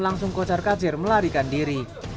langsung kocar kacir melarikan diri